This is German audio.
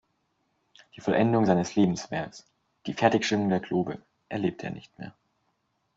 Die Vollendung seines Lebenswerkes, die Fertigstellung des Globe, erlebte er nicht mehr.